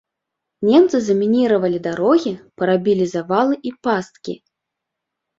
Немцы замініравалі дарогі, парабілі завалы і пасткі.